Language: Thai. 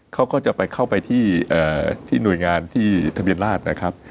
เขาก็จะไปเข้าไปที่หน่วยงานที่ทะเบียนราชนะครับ